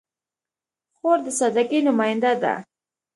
خور د سادګۍ نماینده ده.